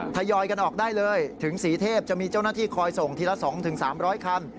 ทยอยกันออกได้เลยถึงศรีเทพจะมีเจ้าหน้าที่คอยส่งทีละ๒๓๐๐คัน